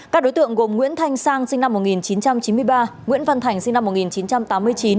các đối tượng gồm nguyễn thanh sang sinh năm một nghìn chín trăm chín mươi ba nguyễn văn thành sinh năm một nghìn chín trăm tám mươi chín